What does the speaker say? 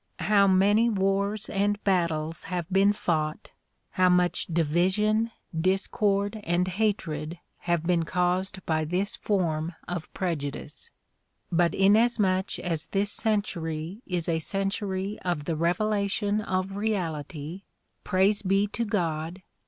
How many wars and battles have been fought, how much division, discord and hatred have been caused by this form of prejudice! But inasmuch as this century is a centuiy of the revelation of reality, Praise be to God!